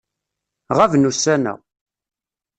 Ɣaben ussan-a.